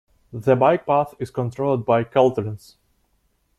The bike path is controlled by Caltrans.